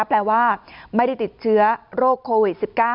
แปลว่าไม่ได้ติดเชื้อโรคโควิด๑๙